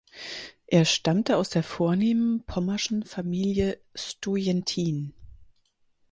Er stammte aus der vornehmen pommerschen Familie Stojentin.